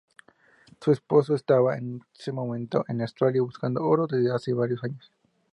Su esposo estaba en ese momento en Australia, buscando oro, desde hacía varios años.